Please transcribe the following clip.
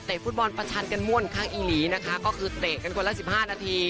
ฟุตบอลประชันกันม่วนข้างอีหลีนะคะก็คือเตะกันคนละ๑๕นาที